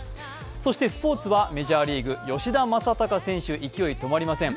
そしてスポーツはメジャーリーグ、吉田正尚選手、勢いが止まりません